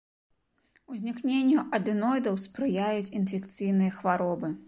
Узнікненню адэноідаў спрыяюць інфекцыйныя хваробы.